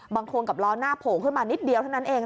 บางคนกับล้อหน้าโผล่ขึ้นมานิดเดียวเท่านั้นเอง